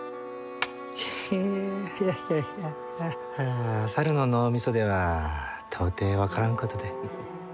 ヘヘッいやいや猿の脳みそでは到底分からんことで。